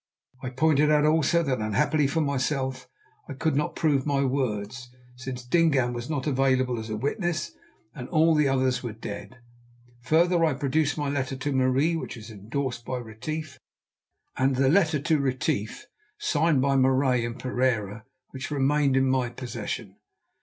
I pointed out also that unhappily for myself I could not prove my words, since Dingaan was not available as a witness, and all the others were dead. Further, I produced my letter to Marie, which was endorsed by Retief, and the letter to Retief signed by Marais and Pereira which remained in my possession.